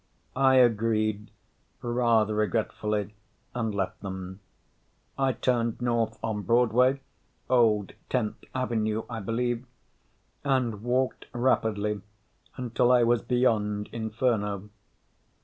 I agreed, rather regretfully, and left them. I turned north on Broadway (old Tenth Avenue, I believe) and walked rapidly until I was beyond Inferno.